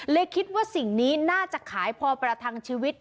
คิดว่าสิ่งนี้น่าจะขายพอประทังชีวิต